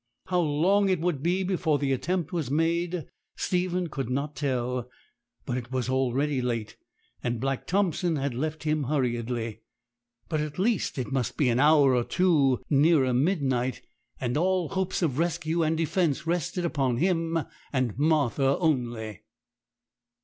How long it would be before the attempt was made Stephen could not tell, but it was already late, and Black Thompson had left him hurriedly. But at least it must be an hour or two nearer midnight, and all hopes of rescue and defence rested upon him and Martha only.